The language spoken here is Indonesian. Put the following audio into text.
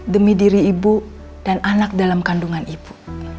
demi diri ibu dan anak dalam kandungan ibu